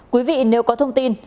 quý vị nếu có thông tin